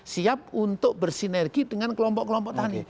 siap untuk bersinergi dengan kelompok kelompok tani